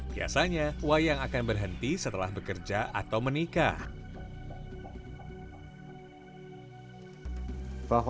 biasanya wayang akan berhenti setelah bekerja atau menikah